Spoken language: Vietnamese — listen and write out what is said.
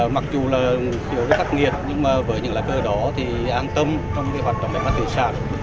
mặc dù là một chiều rất khắc nghiệt nhưng với những lá cờ đó thì an tâm trong hoạt động đại mát thủy sản